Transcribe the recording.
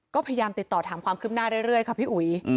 ก็พยายามติดต่อถามความคืบหน้าเรื่อยค่ะพี่อุ๋ย